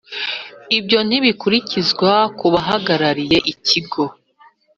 Ibyo ntibikurikizwa ku bahagarariye ikigo